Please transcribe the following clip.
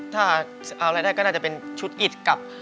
ถ้าเอารายได้ก็น่าจะเป็นชุดอิดกับ